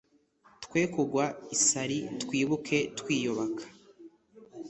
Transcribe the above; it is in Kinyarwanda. twe kugwa isari twibuke twiyubaka